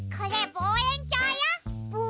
ぼうえんきょう？